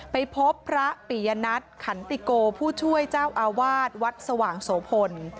ไปพบพระปิยนัทขันติโกผู้ช่วยเจ้าอาวาสวัดสว่างโสพล